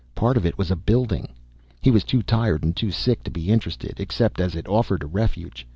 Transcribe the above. Part of it was a building. He was too tired and too sick to be interested, except as it offered a refuge.